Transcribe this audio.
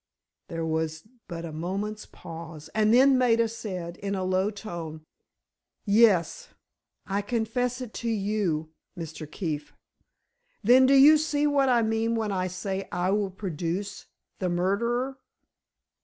There was but a moment's pause, and then Maida said, in a low tone: "Yes—I confess it to you, Mr. Keefe." "Then, do you see what I mean when I say I will produce the—murderer?